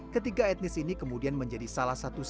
ketiga etnis ini kemudian menjadi salah satu